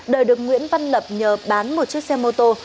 đời được nguyễn văn lập nhờ bán một chiếc xe mô tô